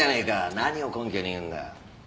何を根拠に言うんだよ。